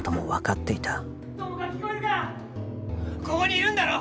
ここにいるんだろ？